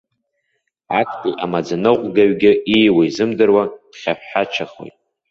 Актәи амаӡаныҟәгаҩгьы ииуа изымдыруа дхьаҳәхьачоит.